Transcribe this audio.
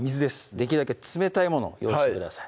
できるだけ冷たいものを用意してください